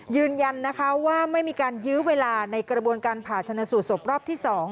ยืนยันนะคะว่าไม่มีการยื้อเวลาในกระบวนการผ่าชนสูตรศพรอบที่๒